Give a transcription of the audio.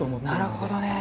なるほどね。